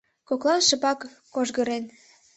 Коклан шыпак кожгырен.